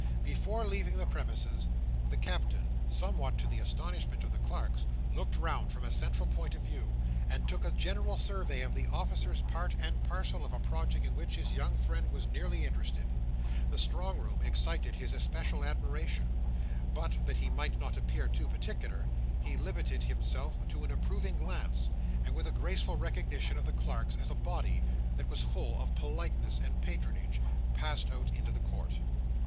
Before leaving the premises, the Captain, somewhat to the astonishment of the clerks, looked round from a central point of view, and took a general survey of the officers part and parcel of a project in which his young friend was nearly interested. The strong room excited his especial admiration; but, that he might not appear too particular, he limited himself to an approving glance, and, with a graceful recognition of the clerks as a body, that was full of politeness and patronage, passed out into the court.